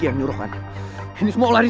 apa dingen lu mau landin sama gue